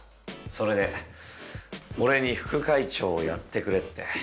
それで俺に副会長をやってくれって。